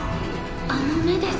あの目です。